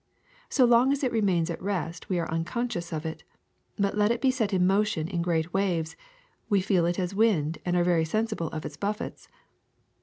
So long as it remains at rest we are unconscious of it ; but let it be set in motion in great waves, we feel it as wind and are very sensible of its buffets.